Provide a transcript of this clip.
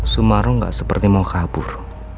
semarno gak seperti mau kabur